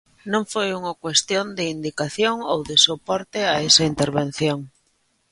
Non foi unha cuestión de indicación ou de soporte a esa intervención.